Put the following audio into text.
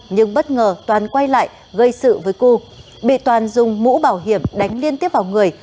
nhưng bất ngờ toàn quay lại gây sự với cư bị toàn dùng mũ bảo hiểm đánh liên tiếp vào người